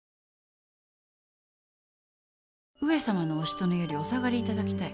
上様のおしとねよりお下がり頂きたい。